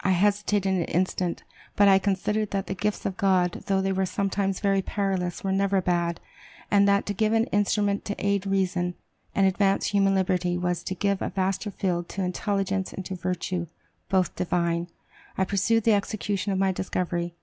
I hesitated an instant; but I considered that the gifts of God, though they were sometimes very perilous, were never bad, and that to give an instrument to aid reason, and advance human liberty, was to give a vaster field to intelligence and to virtue, both divine. I pursued the execution of my discovery.